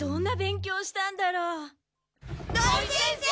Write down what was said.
土井先生！